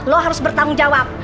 lo harus bertanggung jawab